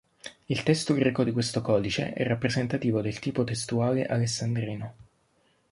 Il testo greco di questo codice è rappresentativo del tipo testuale alessandrino.